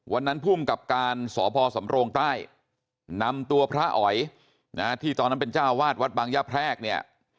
วันนั้นภูมิกับการสพสำโรงใต้นำตัวพระอ๋อยนะที่ตอนนั้นเป็นเจ้าวาดวัดบางยะแพรกเนี่ย